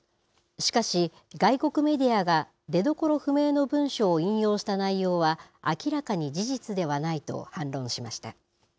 しかし、外国メディアが出どころ不明の文書を引用した内容は、明らかに事実ではないと反論しました。